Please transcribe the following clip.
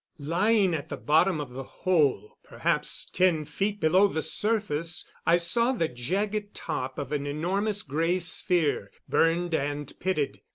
Lying at the bottom of the hole, perhaps ten feet below the surface, I saw the jagged top of an enormous gray sphere, burned and pitted.